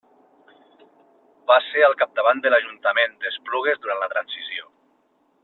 Va ser al capdavant de l'Ajuntament d'Esplugues durant la Transició.